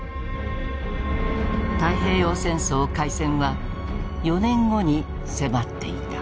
太平洋戦争開戦は４年後に迫っていた。